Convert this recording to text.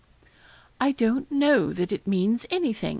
'I don't know that it means anything.